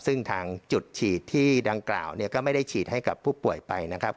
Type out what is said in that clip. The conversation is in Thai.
ซึ่งทางจุดฉีดที่ดังกล่าวเนี่ยก็ไม่ได้ฉีดให้กับผู้ป่วยไปนะครับ